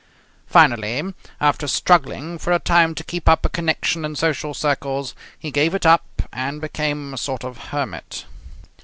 Finally, after struggling for a time to keep up a connection in social circles, he gave it up and became a sort of hermit.